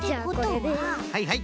はいはい。